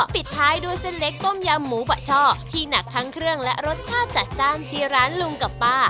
ปิดท้ายด้วยเส้นเล็กต้มยำหมูปะช่อที่หนักทั้งเครื่องและรสชาติจัดจ้านที่ร้านลุงกับป้า